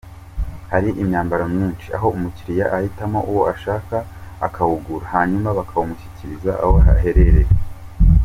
rw hari imyambaro myinshi aho umukiliya ahitamo uwo ahaka akawugura hanyuma bakawumushyira aho aherereye.